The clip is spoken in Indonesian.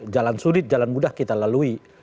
jalan sulit jalan mudah kita lalui